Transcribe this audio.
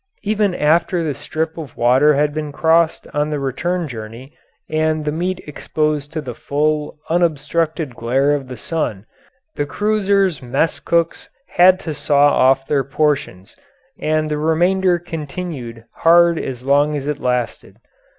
Even after the strip of water had been crossed on the return journey and the meat exposed to the full, unobstructed glare of the sun the cruiser's messcooks had to saw off their portions, and the remainder continued hard as long as it lasted.